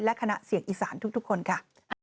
และคณะเสียงอีสานทุกคนค่ะ